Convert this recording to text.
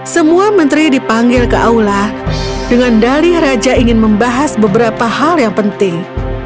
semua menteri dipanggil ke aula dengan dali raja ingin membahas beberapa hal yang penting